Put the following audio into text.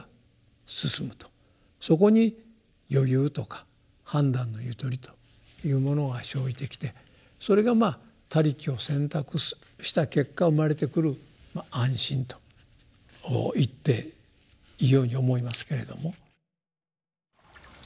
そこに余裕とか判断のゆとりというものが生じてきてそれがまあ「他力」を選択した結果生まれてくる安心と言っていいように思いますけれども。